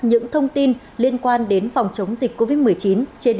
những thông tin liên quan đến phòng chống dịch covid một mươi chín trên địa bàn thành phố hà nội